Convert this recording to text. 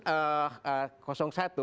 satu akan datang dengan